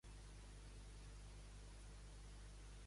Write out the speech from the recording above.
D'acord amb Puigdemont, què ha permès la Unió Europea?